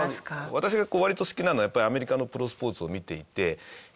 私が割と好きなのはアメリカのプロスポーツを見ていて。